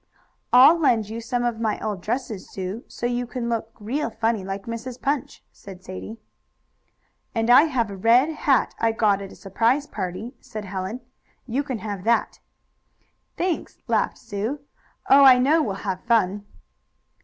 "I'll lend you some of my old dresses, Sue, so you can look real funny, like Mrs. Punch," said Sadie. "And I have a red hat I got at a surprise party," said Helen. "You can have that." "Thanks," laughed Sue. "Oh, I know we'll have fun."